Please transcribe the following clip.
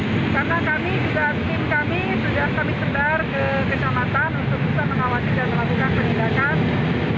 pembatasan aktivitas warga dan pembatasan aktivitas dunia usaha ini